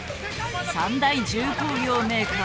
三大重工業メーカー。